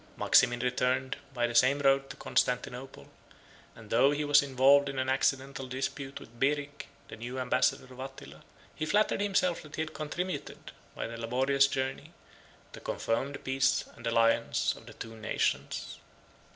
Maximin returned, by the same road, to Constantinople; and though he was involved in an accidental dispute with Beric, the new ambassador of Attila, he flattered himself that he had contributed, by the laborious journey, to confirm the peace and alliance of the two nations.